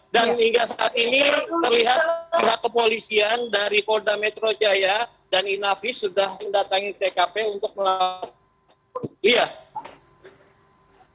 dan hingga saat ini terlihat berlaku polisian dari polda metro jaya dan inafis sudah mendatangi tkp untuk melakukan penyelamatkan